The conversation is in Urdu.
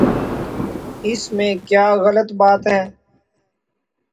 اس میں کیا غلط بات ہے؟